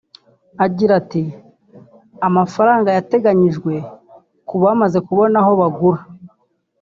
Agira ati “Amafaranga yarateganyijwe ku bamaze kubona aho bagura